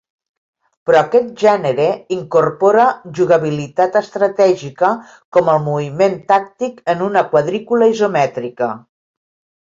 Però aquest gènere incorpora jugabilitat estratègica com el moviment tàctic en una quadrícula isomètrica.